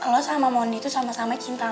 lo sama mondi tuh sama sama cinta mati